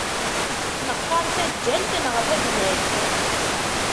Neqqar taǧǧalt neɣ tadyalt.